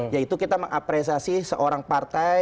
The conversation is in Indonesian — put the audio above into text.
yaitu kita mengapresiasi seorang partai